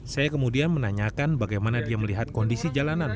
saya kemudian menanyakan bagaimana dia melihat kondisi jalanan